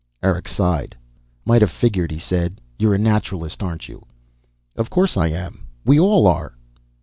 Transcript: Eric sighed. "Might have figured," he said. "You're a Naturalist, aren't you?" "Of course I am. We all are."